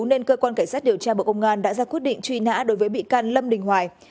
nên cơ quan cảnh sát điều tra bộ công an đã ra quyết định truy nã đối với bị can lâm đình hoài